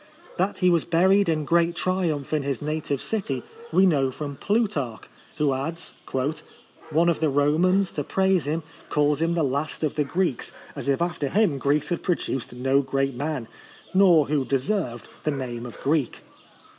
That he was buried in great triumph in his native city, we know from Plu tarch, who adds :" One of the Romans, to praise him, calls him the last of the Greeks ; as if after him Greece had produced no great man, nor who deserved the name of Greek."